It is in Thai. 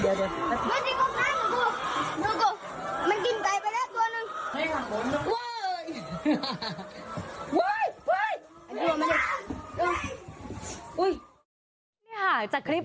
ตัวใหญ่มั้ยลูกเอาทำไมพี่ออกมาทำไมอ่ะ